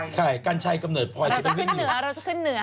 ใช่กันชัยกำเนิดพ่อยเราจะขึ้นเหนือ